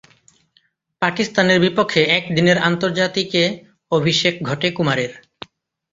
পাকিস্তানের বিপক্ষে একদিনের আন্তর্জাতিকে অভিষেক ঘটে কুমারের।